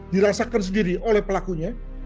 dirasakan sendiri oleh pelakunya